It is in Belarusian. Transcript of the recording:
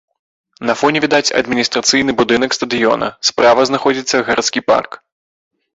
На фоне відаць адміністрацыйны будынак стадыёна, справа знаходзіцца гарадскі парк.